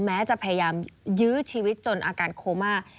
แม้จะพยายามยื้อชีวิตจนอาการโคม่า